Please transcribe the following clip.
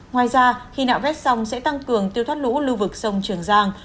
ngoài ra khi nạo vét sông sẽ tăng cường tiêu thoát lũ lưu vực sông trường giang